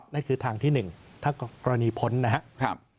นั่นคือทางที่๑ถ้ากรณีพ้นนะครับ